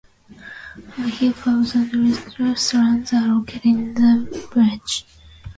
A few pubs and restaurants are located in the village.